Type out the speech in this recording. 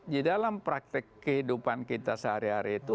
di dalam praktek kehidupan kita sehari hari itu